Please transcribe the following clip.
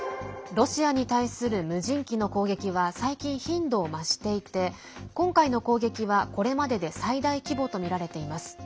ロシアに対する無人機の攻撃は最近、頻度を増していて今回の攻撃はこれまでで最大規模とみられています。